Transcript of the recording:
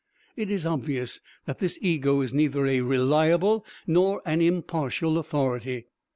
It is obvious that this ego is neither a reliable nor an impartial authority.